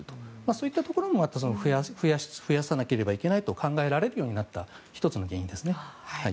そういったところもあって増やさなければいけないと考えられるようになった１つの原因ですね。